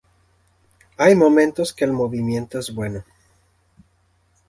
Hay momentos que el movimiento es bueno.